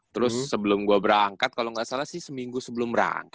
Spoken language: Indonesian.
terus sebelum gua berangkat kalo ga salah sih seminggu sebelum berangkat